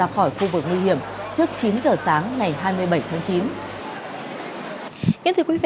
khỏi khu vực nguy hiểm trước chín giờ sáng ngày hai mươi bảy tháng chín